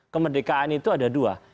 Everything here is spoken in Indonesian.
kemerdekaan itu ada dua